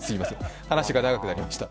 話が長くなりました。